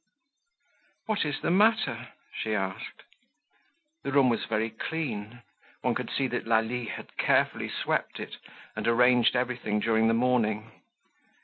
"What is the matter?" she asked. The room was very clean. One could see that Lalie had carefully swept it, and arranged everything during the morning.